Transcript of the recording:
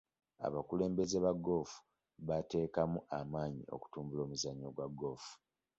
Abakulembeze ba goofu bateekamu amaanyi okutumbula omuzannyo gwa goofu.